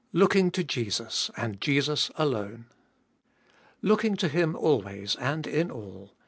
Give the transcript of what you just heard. Looking to Jesus and Jesus alone. Looking to Him always and in all.